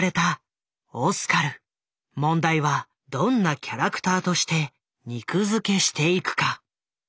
問題はどんなキャラクターとして肉づけしていくか。